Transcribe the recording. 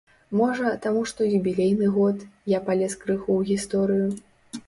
Можа, таму што юбілейны год, я палез крыху ў гісторыю.